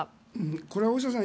これは大下さん